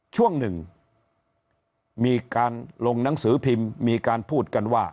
ช่วงหนึ่งมีการลงหนังสือพิมพ์มีการพูดกันว่า